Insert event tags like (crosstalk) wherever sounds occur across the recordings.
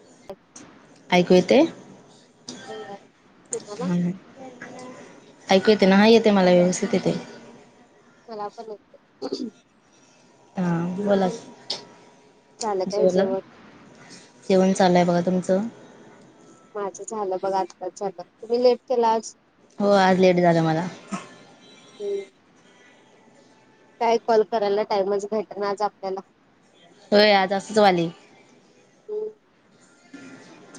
(inaudible) ऐकू येतंय? हो या तुम्हाला हां. ऐकू येते ना हां येते मला व्यवस्थित येतंय. मला पण येते. हां बोला झालं काय जेवला? जेवण? जेवण चाल्लय बघा तुमचं. माझं झालं बघा आताच झालं. तुम्ही लेट केला आज? हो आज लेट झालं मला. हम. काय कॉल करायला टाईमच भेट ना आज आपल्याला. होय आज असंच व्हायलय. हम्म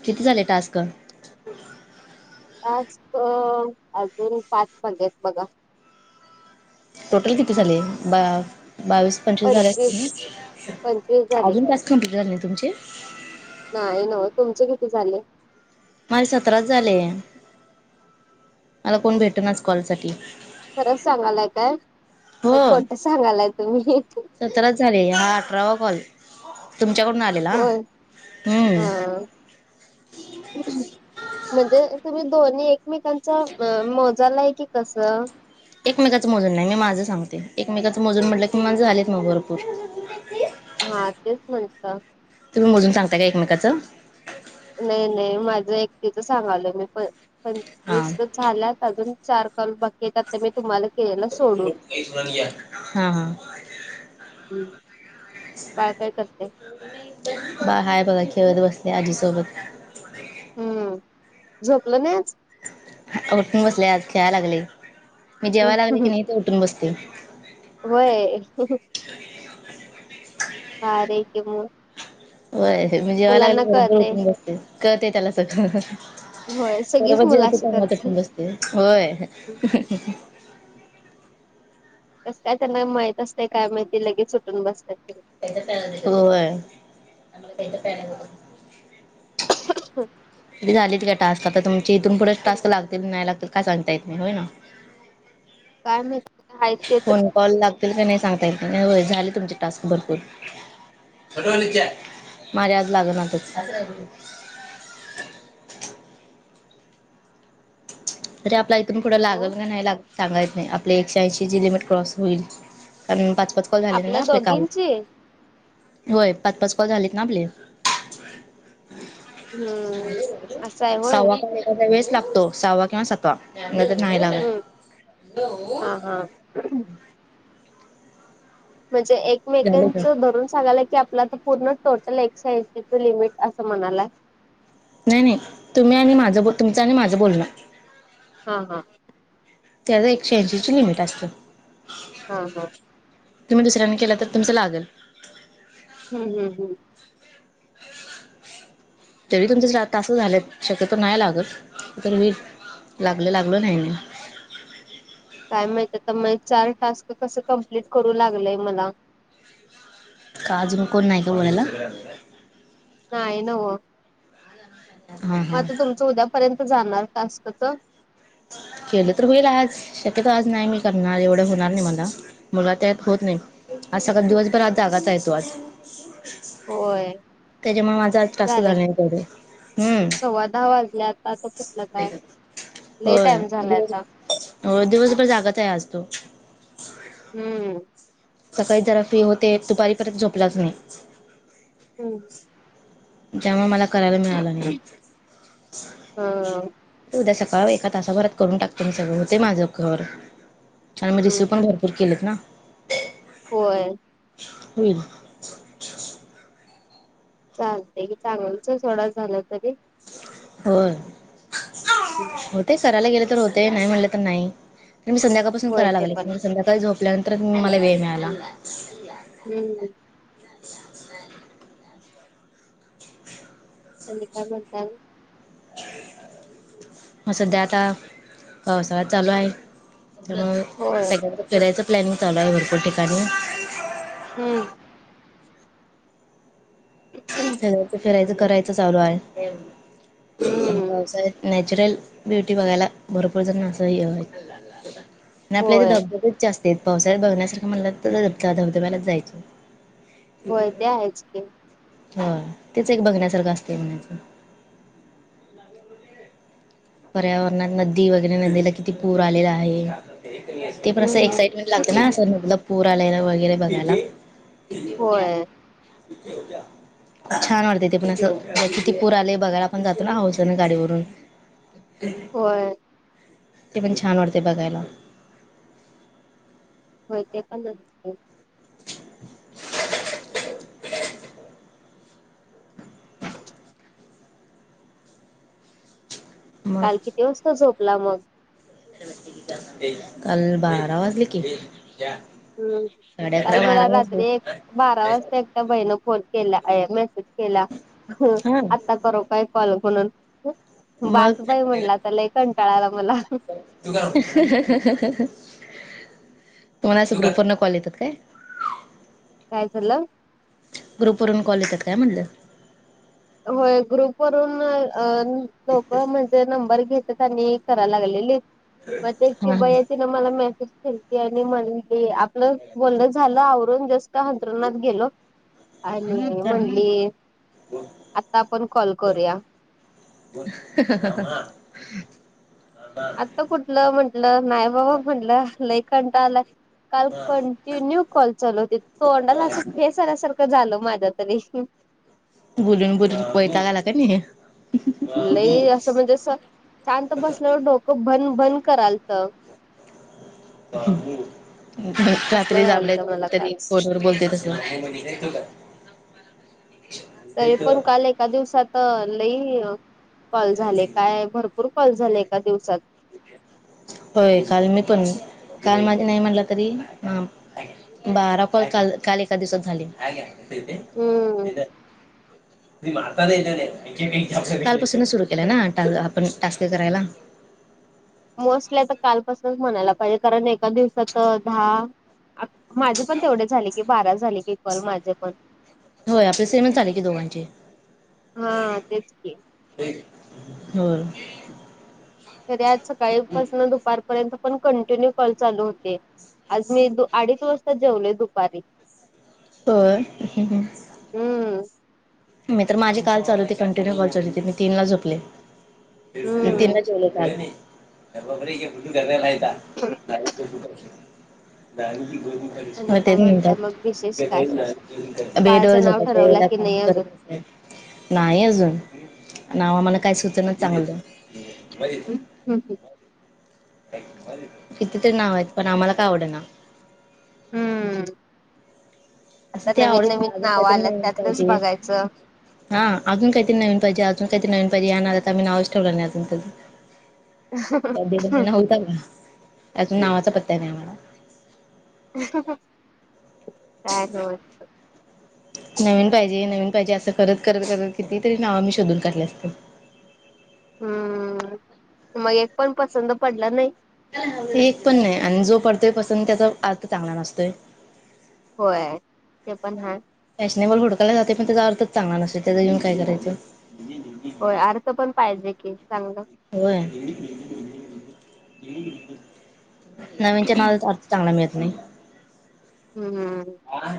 किती झाले टास्क? आज अ अजून पाच पडलेत बगा. टोटल किती झाले? ब बावीस पंचवीस झाले असतील पंचवीस ना? झाले आजून की. पाच कंप्लीट झाले ना तुमचे? नाही ना ओ. तुमचे किती झाले? माझे सतराच झाले. मला कोण भेट नाच कॉलसाठी. खरंच सांगालाय काय? हो का खोट सांगालाय तुम्ही? सतराच झाले हा आठरावा कॉल तुमच्याकडून आलेला हां होय हम्म. अ अहम. म्हणजे तुम्ही दोन्ही एकमेकांच्या अ मोजालाय की कसं? एकमेकाचं मोजून नाही मी माझं सांगते एकमेकाचं मोजून म्हटलं की माझं झालेत ना ओ भरपूर. हां तेच म्हंटल. तुम्ही मोजून सांगता का एकमेकांच? नाही नाही माझं एकटीच सांगायलो मी प हां पंचवीस. झाल्यात अजून चार कॉल बाकीयेत. तर मी तुम्हाला केलेला सोडून. हां हां हम्म बाळ काय करतंय? बाळ हाय बघा खेळत बसलंय आजीसोबत. हम्म. झोपलं नाही आज? उठून बसलंय आज खेळाय लागले मी जेवाय लागले की नई तो उठून बसते. वय, भारी आय कि म. वर मि जेवाय लागल्या बरोबर कळतय. उठून बसते कळतंय त्याला सगळं. होय सगळीच बरोबर मुलं जेवत अशी असताना करतात. उठून बसते. होय. कसं काय त्यांना माहित असतेय काय माहिती लगेच ऊटून बसतात. वय. तुझे झालेती का टास्क करता तुमी? ते इथून पुढं टास्क लागतील नाही लागतील काय सांगता येत नाही. होय ना. काय माहित आहेत ते तर फोन कॉल लागतील का नाही सांगता येत नाही हो झाले तुमचे टास्क भरपूर. सगळं विचार माझे आज लागनातंच. म्हणजे आपला इथून फूढं हॅलो लागल का नाई लाग सांगाच नाही आप आपले एकशे ऐंशी ज लिमिट क्रॉस होईल कार पाच पाच कॉल झाले ना आपल्या आपले काल दोघींची? होय पाच पाच कॉल झालेत ना आपले हम्म असं आहे होय. सवा का वेळस लागतो सहावा किंवा सातवा म्हण नाही लाग हम् म्हणजे झालं तर एकमेकांचं धरून सांगायला की आपला तर पूर्ण टोटल एक्साइज लिमिट असं म्हणाला नाही नाही तुम्ही आणि माझं ब तुमचं आणि माझं बोलणं हा हा त्याचं एकशे ऐंशीची लिमिट अस असत हां हां तुम्हीुसऱ्यांनी केलं तर तमचं लागल हम्म हम् हम् तरी तुमच तास झालं शक्यतो नाही लागत तर मी लागल लागल नाही नाही काय माहित तर मग चार टास्क कस कमप्लीट करू लागलय मला का अजून कोण नाही का बड्याला नाही नव हां मग हां आता तुमचं उद्यापर्यंत जाणार कास्कच केलं तर होईल आज शक्यत आज नाही मी करणार एवढं होणार नाही मला मुलगा त्यात होत नाही आज सकाळ दिवसभर आज जागाचा येतो आज होय त्याच्यामुळे माझा आ त्रास झालं झाला की. तेडे सव्वा दहा वाजले आता आता कुठलं काय लय होय टाइम झाला दिवस आता हो दिवसभर जागाच आहे असतो हम्म सकाळी जरा फ्री होते दुपारी परत झोपलाच नाही हम्म त्यामुळे मला करायला मिळालं नाही हा उद्या सकाळ एका तासाभरात करून टकतो मी सगळं होते माझं घर आणिछ आणि मी हम्म रिसिव पण भर खुर्कीलेत ना होय हो चालते क चांगलच सोडा झालं तरी हो हम् होते करायला गेले तर होते नाही म्हणलेलं तर नाही तर मी संध्याकाळपासून होय करायला ते पण लागले संध्याकाळी झो ल्यानंतर मला वेळ मिळाला हम्म अ अल काय म्हण का मग सध्या आता पावसावाद चालू आहे त्या होय सग फरायचा प्लॅनंग चालूय भरपूर ठिकाणी हम्म ह शगचं फिरायचं करायचं चालू आहे हम् पावसाळ्यात नॅचरल ब्युटी बघायला भरपूर जण असाही आपल्या इथे होय धबधबेच जास्त पावसाळ्यात बघण्यासारखं म्हणला धब धबधब्यालाच जायचे होय ते आहेच की होय तेच एक बघण्यासारखं असतंय म्हणायचं. (inaudible) पर्यावरणात नदी वगैरे नदीला किती पूर आलेला आहे. ते पण असं एक्साइटमेंट हम्म लागत ना अस नदीला पूर आलेला वगैरे बघायला. (inaudible) होय छान वाटते ते पण असं किती पूर आले बघायला आपण जातो ना हौसनं गाडीवरून. होय. ते पण छान वाटतंय बघायला. होय ते पण (unintelligible) (inaudible) मग काल किती वाजता झोपला मग? काल बारा वाजले की. हम्म. साडे काल अकरा बारा मला वाजले रात्री एक बारा वाजता एक कुठल्या बाईनं फोन केला, अय मेसेज केला. हा आता करू काय? कॉल म्हणून? मग बास बाई म्हणलं आता लई कंटाळा आला मला. (unintelligible) तुम्हाला असं ग्रुपवरनं कॉल येतात काय? काय झालं? ग्रुपवरून कॉल येतात काय म्हटलं? होय ग्रुपवरून अं लोक म्हणजे नंबर घेतात आणि कराय लागलेलीत. मग तेच की हा बयेची मला मेसेज केलती आणि म्हणली. आपलं बोलण झालं आवरून जस्ट अंथरुणात गेलो. आणि हा. म्हणली आता आपण कॉल करूया. (unintelligible) आता कुठलं म्हंटलं नाही बाबा म्हटलं. लय कंटाळा आलाय. काल कंटिन्यू कॉल चालू होतीत. तोंडाला असं फेस आल्यासारखं झालं माझ्या तरी. बुलून बुलून वैताग आला की नाही? लई असं म्हणजे अस शांत बसल्यावर डोकं भन भन करालत. असलं रात्री व्हायलत (unintelligible) मला काल. कुठतरीच फोनवर बोलते तसं. तरी पण काल एका दिवसात लई कॉल झाले. काय भरपूर कॉल झाले एका दिवसात. होय काल मी पण काल माझी नाही म्हटला तरी, हा बारा कॉल काल एका दिवसात झाले. हम्म (inaudible) कालपासूनच सुरु केलं ना आपण टास्क करायला? मोस्टली आता कालपासूनच म्हणायला पाहिजे, कारण एका दिवसात दहा माझे पण तेवढे झाले की बारा झाले की कॉल माझे पण. होय आपले सेमच झाले की दोघांचे. हा तेच की होय. तरी आज सकाळीपासून दुपारपर्यंत पण कंटिन्यू कॉल चालू होते. आज मी अडीच वाजता जेवलोय दुपारी. होय? हम्म. मी तर माझी काल चालू होती कंटिन्यू कॉल चालू होती मी तीनला झोपले. मग हम्म तीनला जेवले काल मी. (inaudible) हो आणि काय तेच म्हणताय म्हणतात मग विशेष काय बेडवर बाळाचं नाव झोपायच्या ठरवला वेळेला‌ की काम. नाही करत अजून नाही अजून नाव आम्हाला काय सुचना चांगलं. (unintelligible) किती तरी नाव आहेत पण आम्हाला काय आवड ना हम्म असं आता ते नवीन आवडत नाही नवीन अजून नाव काहीतरी आलं नवीन त्यातलंच पाहिजे. बघायचं हा अजून काहीतरी नवीन पाहिजेजून काहीत नवीन पाहिजे आता क नाववेश ठेवला नाही अजून दीड महिना होता का अजून नावाचा पत्ता नाही आम्हाला काय हो नवीन पाहिजे नवीन पाहिजे असं करत करत करत किती तरी नाव मी शोधून काढले असतील हम्म मग एक पण पसंत पडलं नाही एक पण नाही आणि जो पडतोय पसंत त्याचा अर्थ चांगला नसतोय होय ते पण हा फॅशनेबल होोडकयलाात पण त्याचा अर्थ चगला नसते त्याचा घऊन काय करायचं होय अर्थ पण पाहिजे की चांगलं वर नवीनच्या नावाचा अर्थ चांगला मिळत नाही हम्म हम हा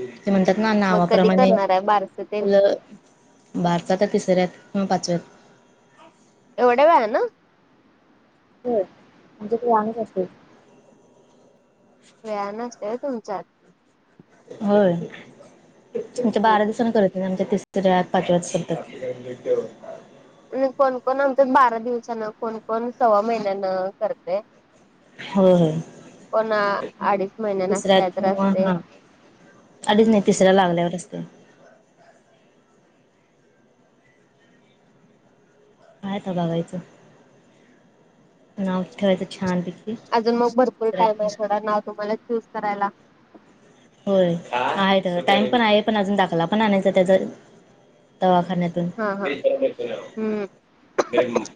ते म्हणतात ना मग कधी नावाप्रमाणे करणार आहे बारस ते मुलं भारता तर तिसऱ्यात पाचव्यात एवढ्या व ना हो आच्याकडे आमच असेल वेळाने असते तुमच्यात होय तुमच्या हम्म. बारा दिवसांनी करत आमच्या तिसऱ्या पाचव्या सप्तक आणि कोणकोण आमच्यात बारा दिवसान कोणकोण सव्वा महिन्यानं करतेय होय होय कोणा अडीच महिन्या तिसऱ्या नसताय तर किंवा असते हा अडीच नाही तिसऱ्या लागल्यावर असत काता बघायचं नाव ठेवायचं छान पिक अजून मग भरपूर टाइम आहे थोडा नाव तुम्हाला चूज करायला होय आहे तर टाइम पण आहे पण अजून दाखला पण आणायचं त्याच दवाखान्यात हा (inaudible) हा हम्म.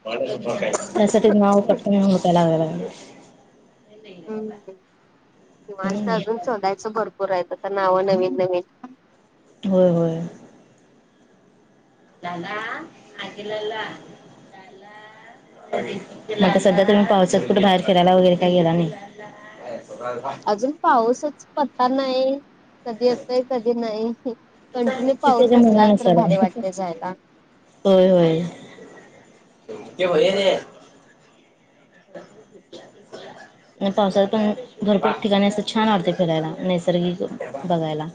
त्यासाठी नाव पटकन हुडकाय लागालाय हम्म कि माणस अजून हम्म, शोधायचं भरपूर आहेह आ नाव नवीन नवीन होय होय जाला हगलला मगता सध्या तुम्ही पाहचत कुठे बाहेर फिरायला वगैरे काही गेला नाही अ स अजून पाऊसच पत्ता नाही कधी येतय कधी नाही कंटिन्यू ते पाऊस त्याच्या असला तर मनानुसार भारी आहे वाटते जायला होय होय (inaudible) नाही पावसाळ पण भरपूक ठिकाणी असं छान वाढते फिरायला नैसर्गिक बघायला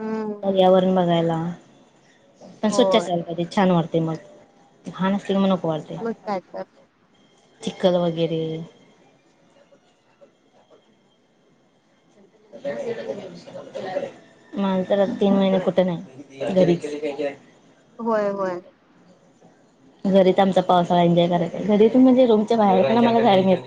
हम्म. पर्यावरण बघायला पण स्वच्छ होय असयला पाहिजे छान वाटते मग घान असली मग नको वाटतय मग काय तर चिखल वगैरे (inaudible) मातर तीन महिने कुठे नाही घरीच होय होय घरी आमचा पावसाळा एन्जॉय करायचा घरीतून म्हणजे रूमच्या बाहेर पण आम्हाला जायला मिळते